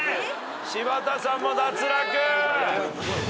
柴田さんも脱落。